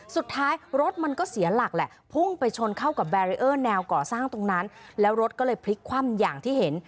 สุดท้ายรถมันก็เสียหลักแหละพุ่งไปชนเข้ากับแบรีเออร์แนวก่อสร้างตรงนั้นแล้วรถก็เลยพลิกคว่ำอย่างที่เห็น